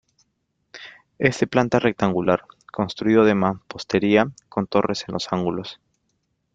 Es de planta rectangular, construido de mampostería, con torres en los ángulos.